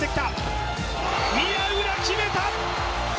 宮浦が決めた。